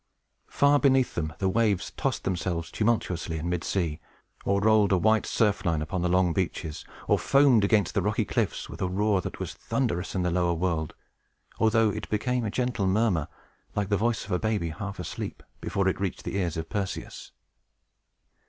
Far beneath them, the waves tossed themselves tumultuously in mid sea, or rolled a white surf line upon the long beaches, or foamed against the rocky cliffs, with a roar that was thunderous, in the lower world; although it became a gentle murmur, like the voice of a baby half asleep, before it reached the ears of Perseus.